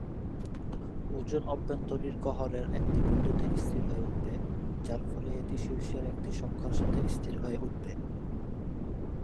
ওজন অভ্যন্তরীণ গহ্বরের একটি বিন্দুতে স্থির হয়ে উঠবে, যার ফলে এটি শীর্ষের একটি সংখ্যার সাথে স্থির হয়ে উঠবে।